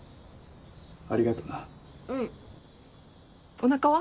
おなかは？